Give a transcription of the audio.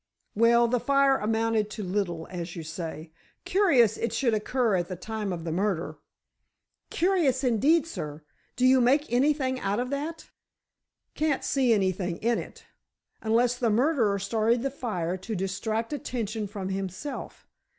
"Well, the fire amounted to little, as you say. Curious it should occur at the time of the murder." "Curious, indeed, sir. Do you make anything out of that?" "Can't see anything in it. Unless the murderer started the fire to distract attention from himself.